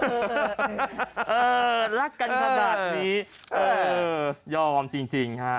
เออรักกันขนาดนี้ยอมจริงครับ